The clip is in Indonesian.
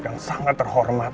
dan sangat terhormat